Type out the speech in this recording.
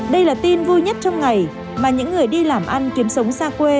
đây là tin vui nhất trong ngày mà những người đi làm ăn kiếm sống xa quê